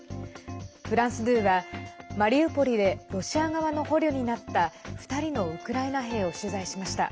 フランス２は、マリウポリでロシア側の捕虜になった２人のウクライナ兵を取材しました。